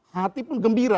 hati pun gembira